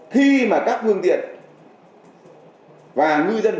khi mà các hương tiện và ngư dân cứu